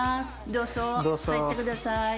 どうぞ入って下さい。